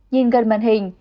nhìn gần màn hình